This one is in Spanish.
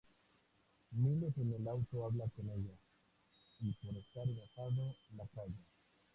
Miles en el auto habla con ella, y por estar enojado, la calla.